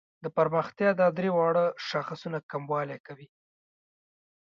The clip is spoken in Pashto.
د پرمختیا دا درې واړه شاخصونه کموالي کوي.